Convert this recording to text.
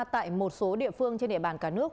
tại một số địa phương trên địa bàn cả nước